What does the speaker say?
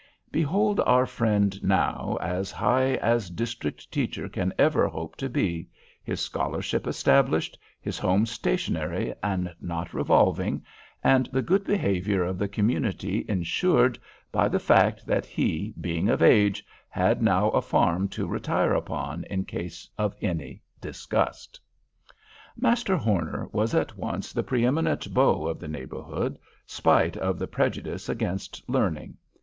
Behold our friend now as high as district teacher can ever hope to be—his scholarship established, his home stationary and not revolving, and the good behavior of the community insured by the fact that he, being of age, had now a farm to retire upon in case of any disgust. Master Horner was at once the preëminent beau of the neighborhood, spite of the prejudice against learning.